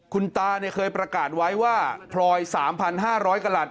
คุณตาเคยประกาศไว้ว่าพลอย๓๕๐๐กระหลัด